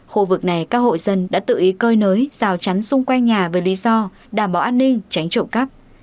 khu vực này các hộ dân đã tự ý cơi nới rào chắn xung quanh nhà với lý do đảm bảo an ninh tránh trộm cắp